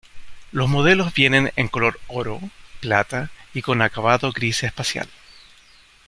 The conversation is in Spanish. Los modelos vienen en color oro, plata y con acabado "gris espacial".